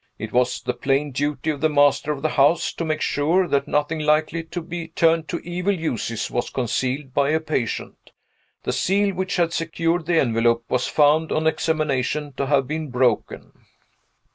It was the plain duty of the master of the house to make sure that nothing likely to be turned to evil uses was concealed by a patient. The seal which had secured the envelope was found, on examination, to have been broken.